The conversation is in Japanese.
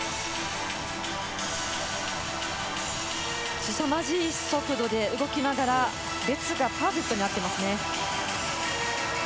すさまじい速度で動きながら、列がパーフェクトになっていますね。